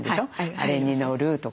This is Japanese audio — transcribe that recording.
あれに乗るとか。